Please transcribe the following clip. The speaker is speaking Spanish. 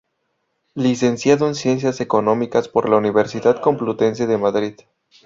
Licenciado en Ciencias Económicas por la Universidad Complutense de Madrid.